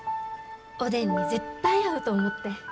おでんに絶対合うと思って。